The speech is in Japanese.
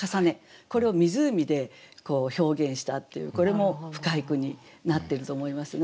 これを湖で表現したっていうこれも深い句になってると思いますね。